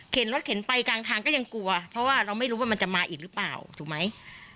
รถเข็นไปกลางทางก็ยังกลัวเพราะว่าเราไม่รู้ว่ามันจะมาอีกหรือเปล่าถูกไหม